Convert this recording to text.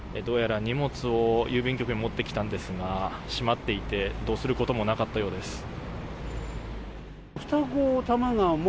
どうやら荷物を郵便局に持ってきたんですが閉まっていてどうすることもなかったようです。